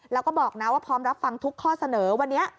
แล้วก็บอกนะว่าพร้อมรับฟังทุกข้อเสนอวันนี้